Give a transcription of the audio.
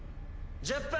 １０分！